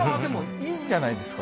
いいんじゃないですか？